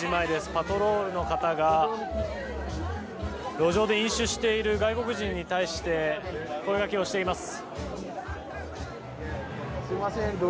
パトロールの方が路上で飲酒している外国人に対して声掛けをしています。